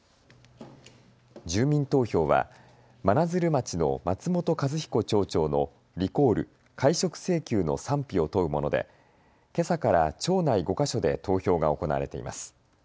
住民投票は真鶴町の松本一彦町長のリコール・解職請求の賛否を問うものでけさから町内５か所で投票が行われています。